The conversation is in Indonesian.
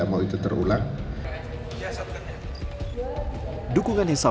kembali disangsi fifa